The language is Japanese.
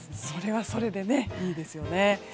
それはそれでいいですね。